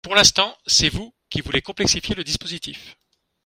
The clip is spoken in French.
Pour l’instant, c’est vous qui voulez complexifier le dispositif